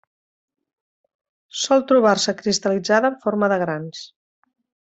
Sol trobar-se cristal·litzada en forma de grans.